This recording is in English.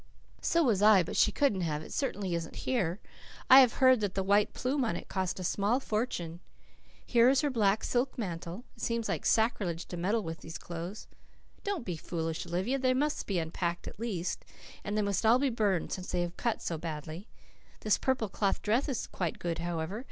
"So was I. But she couldn't have. It certainly isn't here. I have heard that the white plume on it cost a small fortune. Here is her black silk mantle. It seems like sacrilege to meddle with these clothes." "Don't be foolish, Olivia. They must be unpacked at least. And they must all be burned since they have cut so badly. This purple cloth dress is quite good, however.